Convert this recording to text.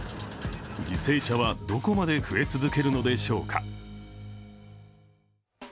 犠牲者はどこまで増え続けるのでしょうか。